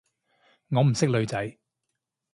我唔識女仔